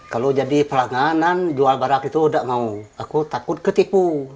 kalau jadi pelangganan jual barang itu udah mau aku takut ketipu